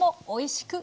おいしい！